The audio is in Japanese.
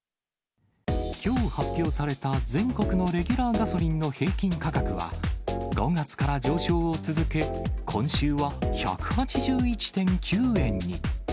きょう発表された全国のレギュラーガソリンの平均価格は、５月から上昇を続け、今週は１８１．９円に。